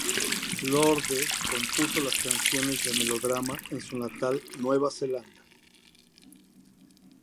Lorde compuso las canciones de Melodrama en su natal Nueva Zelanda.